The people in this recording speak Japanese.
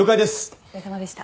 お疲れさまでした。